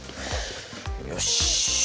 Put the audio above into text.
よし。